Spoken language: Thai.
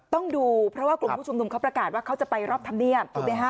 ต้องดูเพราะว่ากลุ่มผู้ชุมนุมเขาประกาศว่าเขาจะไปรอบธรรมเนียบถูกไหมฮะ